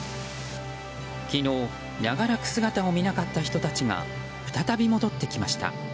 昨日長らく姿を見なかった人たちが再び戻ってきました。